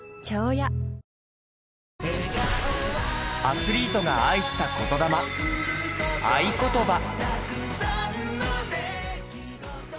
アスリートが愛した言魂『愛ことば』。